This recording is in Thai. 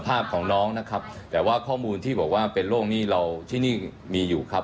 ภาพของน้องนะครับแต่ว่าข้อมูลที่บอกว่าเป็นโรคนี้เราที่นี่มีอยู่ครับ